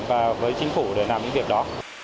và với chính phủ để làm những việc đó